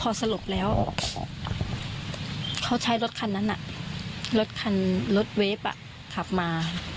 พอสลบแล้วเขาใช้รถคันนั้นรถเวฟขับมา